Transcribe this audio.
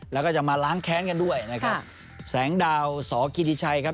แล้วก็จะมาล้างแค้นกันด้วยนะครับแสงดาวสกิติชัยครับ